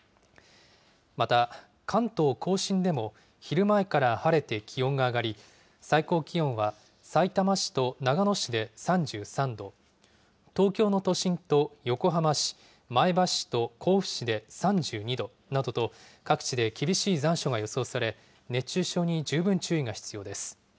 また、関東甲信でも昼前から晴れて気温が上がり、最高気温はさいたま市と長野市で３３度、東京の都心と横浜市、前橋市と甲府市３２度などと、各地で厳しい残暑が予想され、熱中症に十分注意が必要です。